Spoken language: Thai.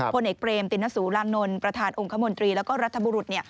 ผลเอกเบรมตินสุรานนท์ประธานองค์คมนตรีแล้วก็รัฐบุรุษ